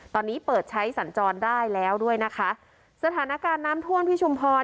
ตอนนี้เปิดใช้สัญจรได้แล้วด้วยนะคะสถานการณ์น้ำท่วมที่ชุมพร